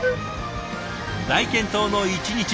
大健闘の１日目